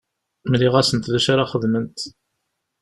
Mliɣ-asent d acu ara xedment.